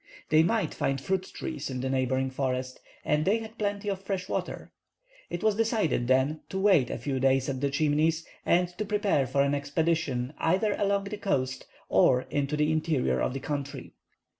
They might find fruit trees in the neighboring forest, and they had plenty of fresh water. It was decided then to wait a few days at the Chimneys, and to prepare for an expedition either along the coast or into the interior of the country.